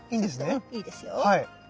うんいいですよ。